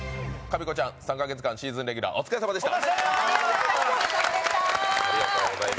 みこちゃん、３か月間シーズンレギュラーお疲れ様でした。